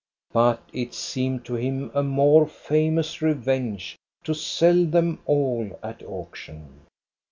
But it seemed to him a more famous revenge to sell them all at auction.